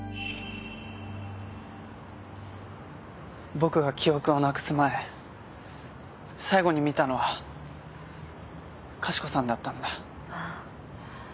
僕が記憶をなくす前最後に見たのはかしこさんだったんだ。